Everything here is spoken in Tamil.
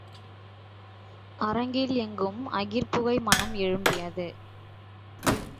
அரங்கில் எங்கும் அகிற்புகை மணம் எழும்பியது.